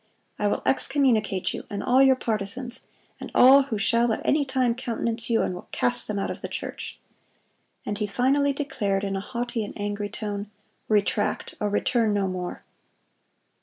I will excommunicate you and all your partisans, and all who shall at any time countenance you, and will cast them out of the church." And he finally declared, in a haughty and angry tone, "Retract, or return no more."